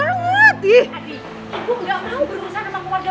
adi aku nggak mau berurusan sama keluarga mereka